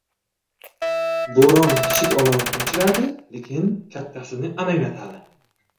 • Bo‘ron kichik olovni o‘chiradi, lekin kattasini alangalatadi.